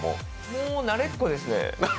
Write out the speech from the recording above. もう慣れっこですね。